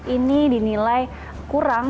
ini dinilai kurang